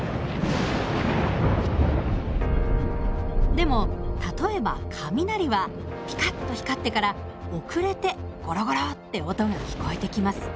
でも例えば雷はピカッと光ってから遅れてゴロゴロって音が聞こえてきます。